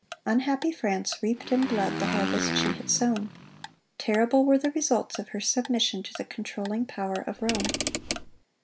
Unhappy France reaped in blood the harvest she had sown. Terrible were the results of her submission to the controlling power of Rome.